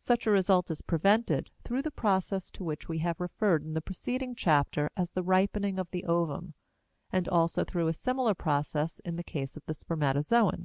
Such a result is prevented through the process to which we have referred in the preceding chapter as the ripening of the ovum, and also through a similar process in the case of the spermatozoon.